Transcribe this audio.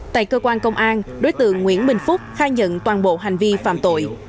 tại cơ quan công an đối tượng nguyễn bình phúc khai nhận toàn bộ hành vi phạm tội